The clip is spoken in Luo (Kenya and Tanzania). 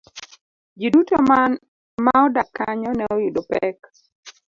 Ji duto ma odak kanyo ne oyudo pek.